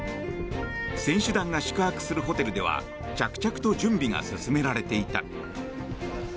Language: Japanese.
選手団が宿泊するホテルでは着々と準備が進められていた。